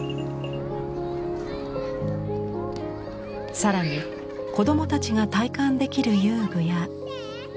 更に子どもたちが体感できる遊具や。